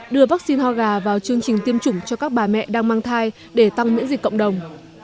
đưa vaccine ho gà vào chương trình tiêm chủng cho các bà mẹ đang mang thai để tăng miễn dịch cộng đồng